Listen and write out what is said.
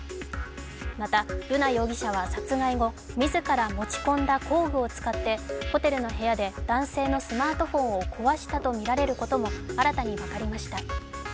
また、瑠奈容疑者は殺害後、自ら持ち込んだ工具を使ってホテルの部屋で男性のスマートフォンを壊したとみられることも新たに分かりました。